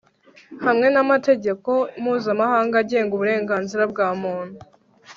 hamwe n'amategeko mpuzamahanga agenga uburenganzira bwa muntu